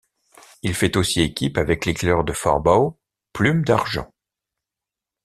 Il fait aussi équipe avec l'éclaireur de Fort Bow Plume d'Argent.